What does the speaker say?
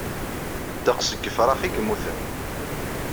Ddeqs n yifṛax i yemmuten.